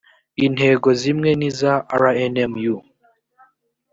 intego zimwe n iza rnmu